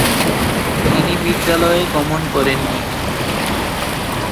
তিনি বিদ্যালয়ে গমন করেননি।